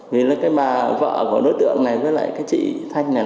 vì là cái mà vợ của đối tượng này với lại cái chị thanh này